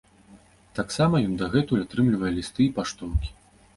Таксама ён дагэтуль атрымлівае лісты і паштоўкі.